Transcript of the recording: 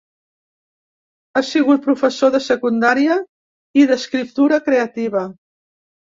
Ha sigut professor de secundària i d’escriptura creativa.